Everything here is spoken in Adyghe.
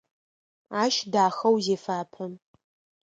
Ащ дахэу зефапэ.